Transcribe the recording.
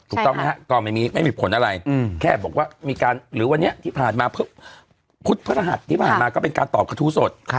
แต่ไม่มีผลอะไรแค่บอกว่ากันหรือวันนี้ที่ผ่านมาคุดพฤษภาคที่ผ่านมาก็เป็นการตอบกระทู้สด